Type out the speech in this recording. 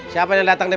siapa yang dateng deh